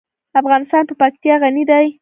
افغانستان په پکتیا غني دی.